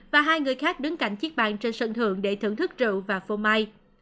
và hai người khác đứng cạnh chiếc bàn trên sân thượng để thưởng thức rượu và phô mai